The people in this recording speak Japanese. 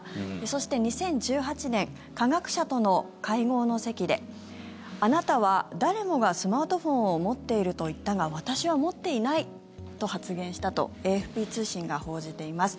そして、２０１８年科学者との会合の席であなたは誰もがスマートフォンを持っていると言ったが私は持っていないと発言したとＡＦＰ通信が報じています。